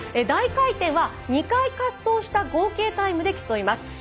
大回転は２回滑走した合計タイムで競います。